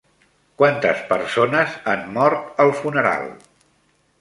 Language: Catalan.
Quantes persones han mort al funeral?